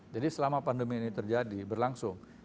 jadi selama pandemi ini terjadi berlangsung